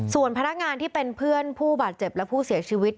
ส่วนพนักงานที่เป็นเพื่อนผู้บาดเจ็บและผู้เสียชีวิต